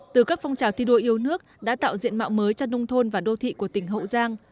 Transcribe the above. từ các phong trào thi đua yêu nước đã tạo diện mạo mới cho nông thôn và đô thị của tỉnh hậu giang